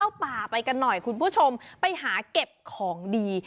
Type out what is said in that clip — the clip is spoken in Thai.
ป่าไปกันหน่อยคุณผู้ชมไปหาเก็บของดี